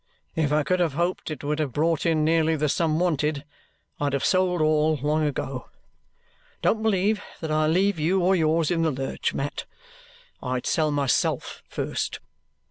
If I could have hoped it would have brought in nearly the sum wanted, I'd have sold all long ago. Don't believe that I'll leave you or yours in the lurch, Mat. I'd sell myself first.